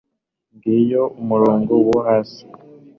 ngiyo umurongo wo hasi